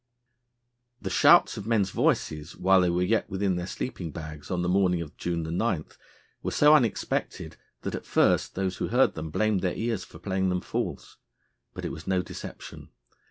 The shouts of men's voices while they were yet within their sleeping bags on the morning of June 9 were so unexpected, that, at first, those who heard them blamed their ears for playing them false. But it was no deception.